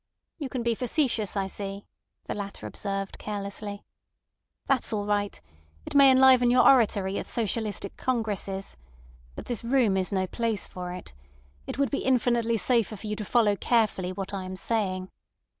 "You can be facetious, I see," the latter observed carelessly. "That's all right. It may enliven your oratory at socialistic congresses. But this room is no place for it. It would be infinitely safer for you to follow carefully what I am saying.